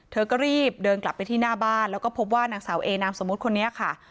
เธอก็รีบเดินกลับไปที่หน้าบ้านแล้วก็พบว่านางสาวเอนามสมมุติคนนี้ค่ะ